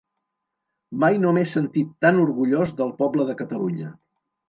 Mai no m’he sentit tan orgullós del poble de Catalunya.